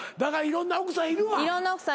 いろんな奥さんいて。